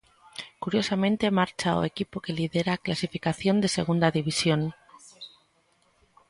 Curiosamente marcha ao equipo que lidera a clasificación de Segunda División.